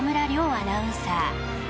アナウンサー。